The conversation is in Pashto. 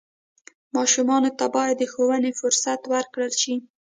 ماشومانو ته باید د ښوونې فرصت ورکړل شي.